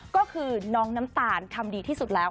ก็คือน้องน้ำตาลทำดีที่สุดแล้ว